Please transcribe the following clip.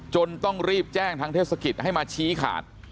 ต้องรีบแจ้งทางเทศกิจให้มาชี้ขาด